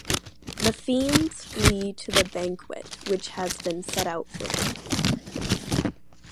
The fiends flee to the banquet which has been set out for them.